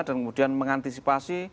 dan kemudian mengantisipasi